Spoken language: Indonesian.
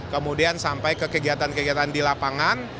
kemudian sampai ke kegiatan kegiatan di lapangan